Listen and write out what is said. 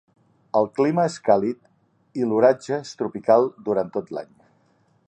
El clima és càlid i l'oratge és tropical durant tot l'any.